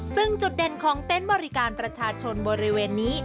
ซึ่งจุดเด่นของเต็นต์บริการประชาชนบริเวณนี้